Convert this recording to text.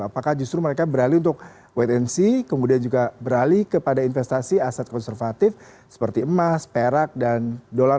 apakah justru mereka beralih untuk wait and see kemudian juga beralih kepada investasi aset konservatif seperti emas perak dan dolar